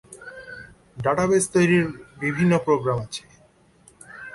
Database তৈরীর বিভিন্ন programme আছে।